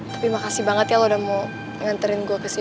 tapi makasih banget ya lo udah mau nganterin gue kesini